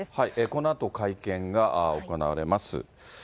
このあと、会見が行われます。